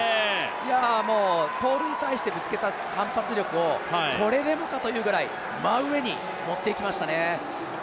もうポールに対してぶつけた反発力をこれでもかというぐらい真上に持っていきましたね。